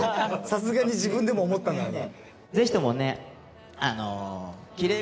さすがに自分でも思ったんだろうな。